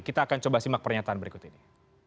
kita akan coba simak pernyataan berikut ini